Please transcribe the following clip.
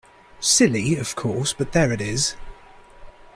Silly, of course, but there it is.